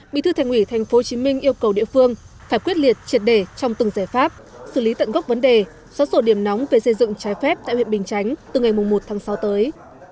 bị thư thành ủy tp hcm yêu cầu địa phương phải quyết liệt triệt đề trong từng giải pháp xử lý tận gốc vấn đề xóa sổ điểm nóng về xây dựng trái phép tại huyện bình chánh từ ngày một tháng sáu tới